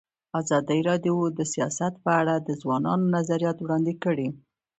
ازادي راډیو د سیاست په اړه د ځوانانو نظریات وړاندې کړي.